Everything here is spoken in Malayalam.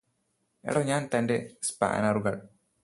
എടോ താന് തന്റെ സ്പാനറുകള്